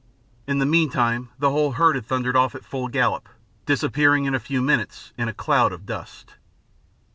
In the meantime the whole herd had thundered off at full gallop, disappearing in a few minutes in a cloud of dust.